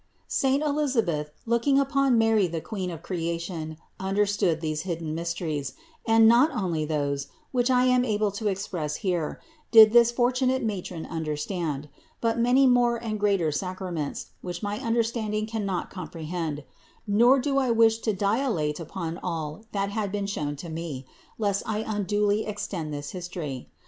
225. Saint Elisabeth looking upon Mary the Queen of creation understood these hidden mysteries ; and not 182 CITY OF GOD only those, which I am able to express here, did this for tunate matron understand, but many more and greater sacraments, which my understanding cannot compre hend ; nor do I wish to dilate upon all that have been shown to me, lest I unduly extend this history.